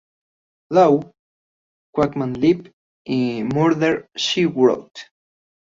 Law", "Quantum Leap", y "Murder, She Wrote".